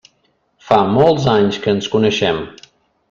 Fa molts anys que ens coneixem.